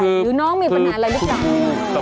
หรือน้องมีปัญหาอะไรหรือเปล่า